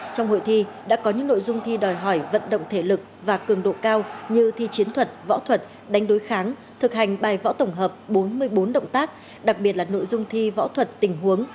trong hội thi đã có những nội dung thi đòi hỏi vận động thể lực và cường độ cao như thi chiến thuật võ thuật đánh đối kháng thực hành bài võ tổng hợp bốn mươi bốn động tác đặc biệt là nội dung thi võ thuật tình huống